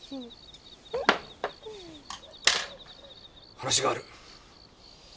話がある。